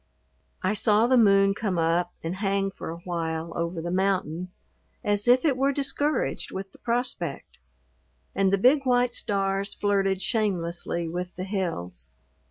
I saw the moon come up and hang for a while over the mountain as if it were discouraged with the prospect, and the big white stars flirted shamelessly with the hills.